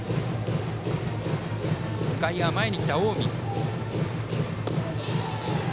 外野は前に来た近江。